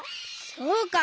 そうか！